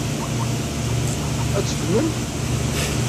Ad tt-ddmen?